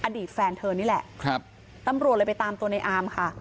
อดีตแฟนเธอนี่แหละครับตำรวจเลยไปตามตัวในอามค่ะ